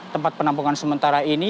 tempat penampungan sementara ini